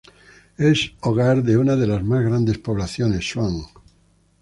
Es hogar de una de las más grandes poblaciones Zhuang